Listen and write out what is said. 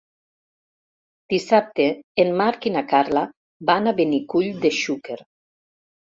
Dissabte en Marc i na Carla van a Benicull de Xúquer.